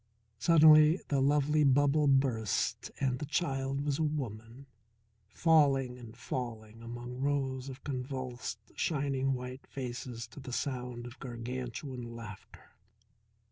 Suddenly the lovely bubble burst and the child was a woman, falling and falling among rows of convulsed, shining white faces to the sound of gargantuan laughter.